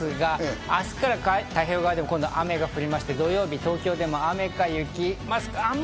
明日から太平洋側でも雨が降って、土曜日は東京でも雨か雪。